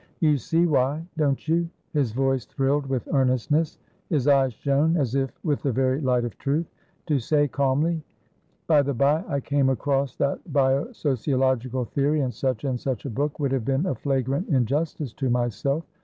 "You see why, don't you?" His voice thrilled with earnestness; his eyes shone as if with the very light of truth. "To say calmly: By the bye, I came across that bio sociological theory in such and such a book, would have been a flagrant injustice to myself.